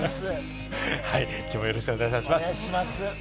きょうもよろしくお願いします。